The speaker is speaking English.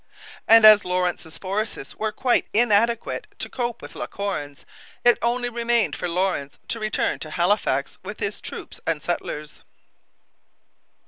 And as Lawrence's forces were quite inadequate to cope with La Corne's, it only remained for Lawrence to return to Halifax with his troops and settlers.